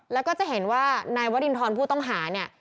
แล้วก็จะเห็นว่านายวรินทรผู้ต้องหาเนี่ย